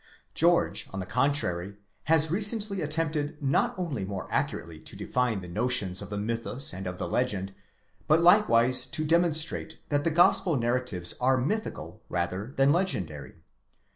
8 George on the contrary has recently attempted not only more accurately to define the notions of the mythus and of the legend, but likewise to demon strate that the gospel narratives are mythical rather than legendary.